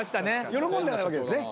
喜んでたわけですね